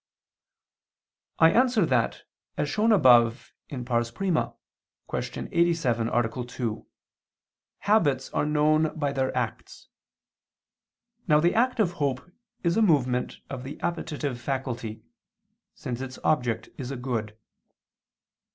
I answer that, As shown above (I, Q. 87, A. 2), habits are known by their acts. Now the act of hope is a movement of the appetitive faculty, since its object is a good.